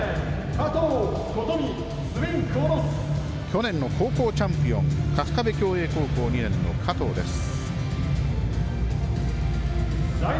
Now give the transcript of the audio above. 去年の高校チャンピオン春日部共栄高校２年の加藤です。